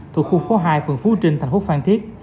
thuộc khu phố hai phường phú trinh thành phố phan thiết